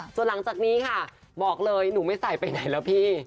ส่วนหลังจากนี้ค่ะบอกเลยหนูไม่ใส่ไปไหนแล้วพี่